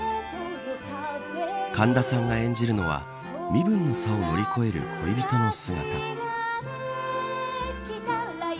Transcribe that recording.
神田さんが演じるのは身分の差を乗り越える恋人の姿。